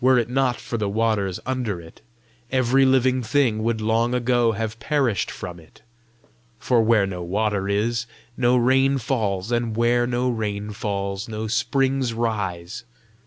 Were it not for the waters under it, every living thing would long ago have perished from it. For where no water is, no rain falls; and where no rain falls, no springs rise.